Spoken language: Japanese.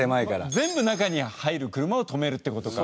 全部中に入る車を止めるって事か。